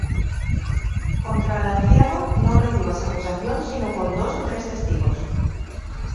Contra el anciano no recibas acusación sino con dos ó tres testigos.